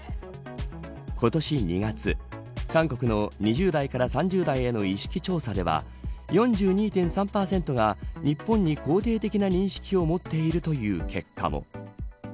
今年２月、韓国の２０代から３０代への意識調査では４２．３％が日本に肯定的な認識を持っているという結果も。